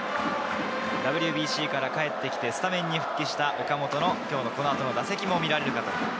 ＷＢＣから帰ってきてスタメンに復帰した岡本の今日のこの後の打席も見られる